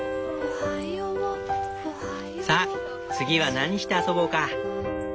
さ次は何して遊ぼうか？